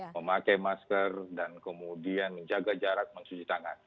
memakai masker dan kemudian menjaga jarak mencuci tangan